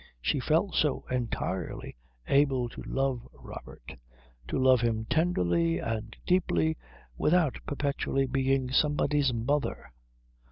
She felt so entirely able to love Robert, to love him tenderly and deeply, without perpetually being somebody's mother.